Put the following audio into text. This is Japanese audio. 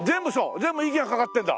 全部息がかかってるんだ！